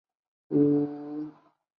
粒子可在水源溶解。